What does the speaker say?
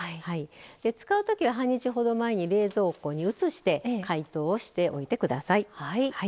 使うときは半日ほど前に冷蔵庫に移して解凍をしておいてください。